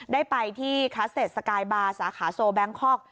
ได้ไปที่คัสเตจสกายบาร์สาขาโซแบงคอก